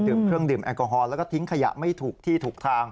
เครื่องดื่มแอลกอฮอลแล้วก็ทิ้งขยะไม่ถูกที่ถูกทาง